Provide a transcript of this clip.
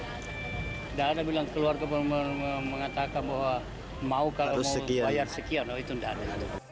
tidak ada bilang keluarga mengatakan bahwa mau kalau mau bayar sekian itu tidak ada